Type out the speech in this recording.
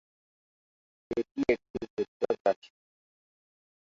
এটি একটি ভেক্টর রাশি।